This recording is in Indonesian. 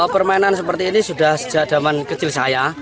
permainan seperti ini sudah sejak zaman kecil saya